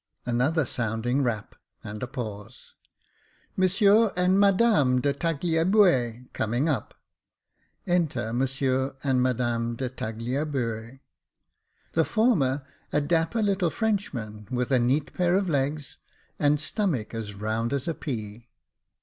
Another sounding rap, and a pause. " Monsieur and Madame de Tagliabue coming up." Enter Monsieur and Madame de Tagliabue. The former, a dapper little French Jacob Faithful 139 man, with a neat pair of legs, and stomach as round as a pea.